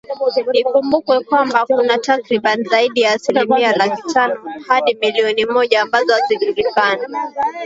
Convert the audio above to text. ikumbukwe kwamba kuna takriban zaidi ya asilimia laki tano hadi milioni moja ambazo hazijulikani